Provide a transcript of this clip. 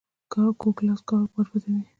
کوږ لاس کار بربادوي